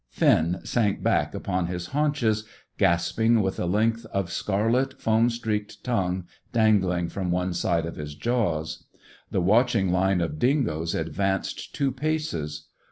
Finn sank back upon his haunches, gasping, with a length of scarlet, foam streaked tongue dangling from one side of his jaws. The watching line of dingoes advanced two paces.